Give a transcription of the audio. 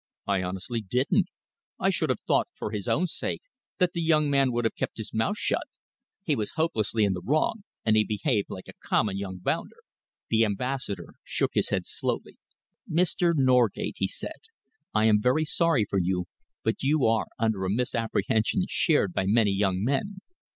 "I honestly didn't. I should have thought, for his own sake, that the young man would have kept his mouth shut. He was hopelessly in the wrong, and he behaved like a common young bounder." The Ambassador shook his head slowly. "Mr. Norgate," he said, "I am very sorry for you, but you are under a misapprehension shared by many young men.